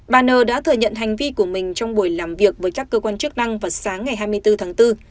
bà nơ đã thừa nhận hành vi của mình trong buổi làm việc với các cơ quan chức năng vào sáng ngày hai mươi bốn tháng bốn